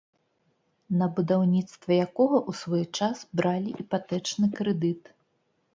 На будаўніцтва якога ў свой час бралі іпатэчны крэдыт.